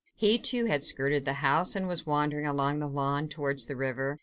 He, too, had skirted the house, and was wandering along the lawn, towards the river.